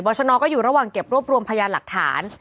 ชนก็อยู่ระหว่างเก็บรวบรวมพยานหลักฐาน